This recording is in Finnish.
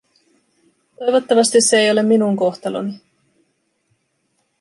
Toivottavasti se ei ole minun kohtaloni.